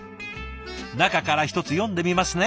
中から１つ読んでみますね。